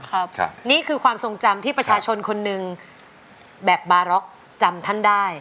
ครับนี่คือความทรงจำที่ประชาชนคนหนึ่งแบบบาร็อกจำท่านได้